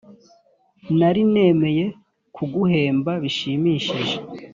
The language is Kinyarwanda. nari nemeye kuguhemba bishimishije.